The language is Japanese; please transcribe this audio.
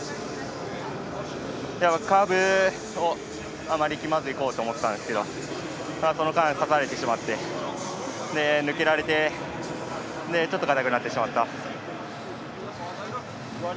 カーブをあまり力まずいこうと思っていたんですがその間、さされてしまって抜けられてちょっと硬くなってしまった。